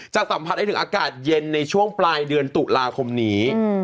สัมผัสได้ถึงอากาศเย็นในช่วงปลายเดือนตุลาคมนี้